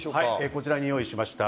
こちらに用意しました。